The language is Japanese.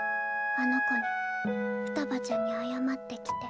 あの子にふたばちゃんに謝ってきて。